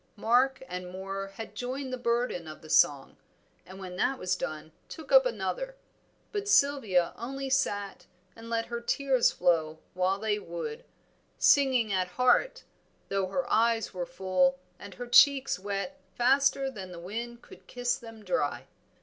Mark and Moor had joined in the burden of the song, and when that was done took up another; but Sylvia only sat and let her tears flow while they would, singing at heart, though her eyes were full and her cheeks wet faster than the wind could kiss them dry.